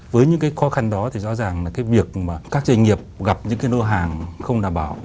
với những cái khó khăn đó thì rõ ràng là cái việc mà các doanh nghiệp gặp những cái lô hàng không đảm bảo